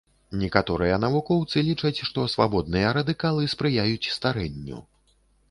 Некаторыя навукоўцы лічаць, што свабодныя радыкалы спрыяюць старэнню.